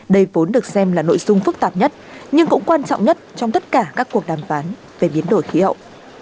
đây vốn được xem là nội dung phức tạp nhất nhưng cũng quan trọng nhất trong tất cả các cuộc đàm phán về biến đổi khí hậu